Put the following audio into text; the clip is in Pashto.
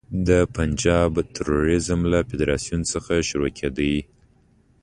د پنجاب د توریزم له فدراسیون څخه شروع کېدو.